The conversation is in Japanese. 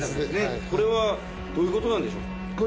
これはどういうことなんでしょう。